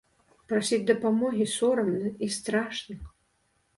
Прасіць дапамогі сорамна і страшна.